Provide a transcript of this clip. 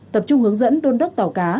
tập trung hướng dẫn đôn đất tàu cá